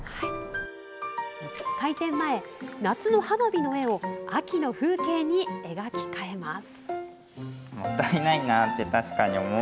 開店前、夏の花火の絵を秋の風景に描き変えます。